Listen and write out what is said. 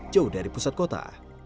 jauh dari pusat kota